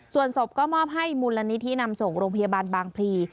ส่วนศพก็มอบให้มูลนิธินำส่งโรงพยาบาลบางพลี